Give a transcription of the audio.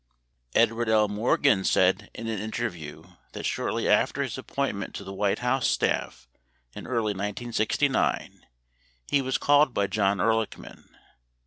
77 Edward L. Morgan said in an interview that shortly after his appointment to the White House staff in early 1969, he was called by John Ehrlichman.